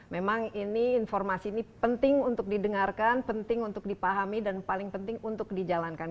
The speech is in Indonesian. memang ini informasi ini penting untuk didengarkan penting untuk dipahami dan paling penting untuk dijalankan